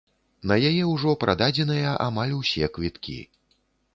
На яе ўжо прададзеныя амаль усе квіткі.